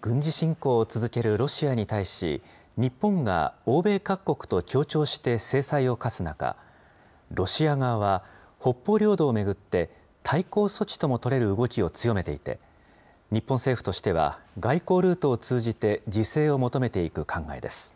軍事侵攻を続けるロシアに対し、日本が欧米各国と協調して制裁を科す中、ロシア側は北方領土を巡って、対抗措置とも取れる動きを強めていて、日本政府としては、外交ルートを通じて自制を求めていく考えです。